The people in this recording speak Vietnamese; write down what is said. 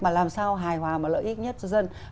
mà làm sao hài hòa mà lợi ích nhất cho dân